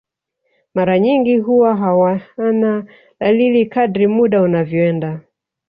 Mara nyingi huwa hawana dalili kadri muda unavyoenda